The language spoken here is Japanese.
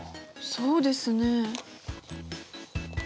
そうですね。